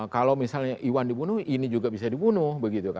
kalau misalnya iwan dibunuh ini juga bisa dibunuh